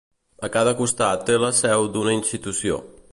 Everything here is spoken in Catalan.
A cada costat té la seu d'una institució.